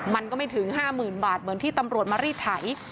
มันก็ไม่ถึง๕๐๐๐บาทเหมือนที่ตำรวจมารีดไถ